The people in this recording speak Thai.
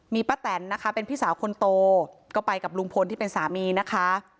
มีป้าแตนนะคะเป็นพี่สาวคนโตก็ไปกับลุงพลที่เป็นสามีนะคะ